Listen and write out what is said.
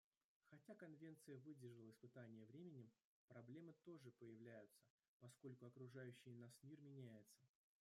Хотя Конвенция выдержала испытание временем, проблемы тоже появляются, поскольку окружающий нас мир меняется.